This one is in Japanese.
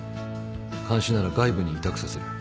監視なら外部に委託させる